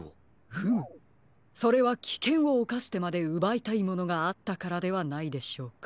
フムそれはきけんをおかしてまでうばいたいものがあったからではないでしょうか。